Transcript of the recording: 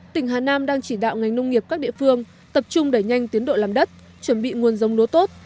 tỉnh hà nam đang chỉ đạo ngành nông nghiệp các địa phương tập trung đẩy nhanh tiến độ làm đất chuẩn bị nguồn giống lúa tốt